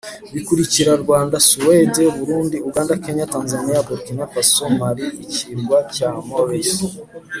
bikurikira Rwanda Suwedi Burundi Uganda Kenya Tanzania Burkina Faso Mali Ikirwa cya Maurice